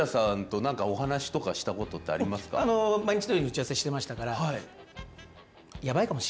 毎日のように打ち合わせしてましたから。